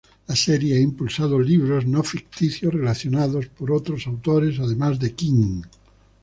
La serie ha impulsados libros no ficticios relacionados, por otros autores además de King.